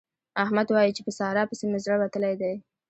احمد وايي چې په سارا پسې مې زړه وتلی دی.